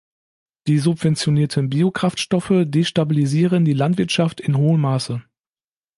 Die subventionierten Biokraftstoffe destabilisieren die Landwirtschaft in hohem Maße.